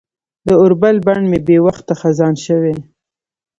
د اوربل بڼ مې بې وخته خزان شوی